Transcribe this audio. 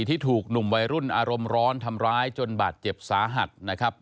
ที่ถูกหนุ่มวัยรุ่นอารมณ์ร้อนทำร้ายจนบาดเจ็บสาหัสนะครับ